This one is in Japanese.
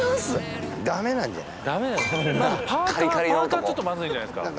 パーカーちょっとまずいんじゃないすか？